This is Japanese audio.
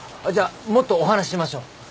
じゃあもっとお話ししましょう。